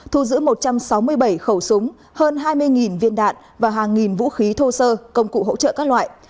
thu giữ một trăm sáu mươi bảy khẩu súng hơn hai mươi viên đạn và hàng nghìn vũ khí thô sơ công cụ hỗ trợ các loại